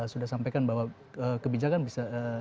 sudah sampaikan bahwa kebijakan bisa